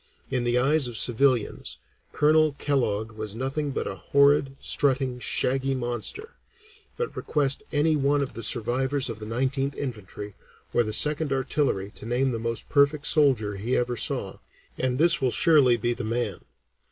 In the eyes of civilians, Colonel Kellogg was nothing but a horrid, strutting, shaggy monster. But request any one of the survivors of the Nineteenth Infantry or the Second Artillery to name the most perfect soldier he ever saw, and this will surely be the man.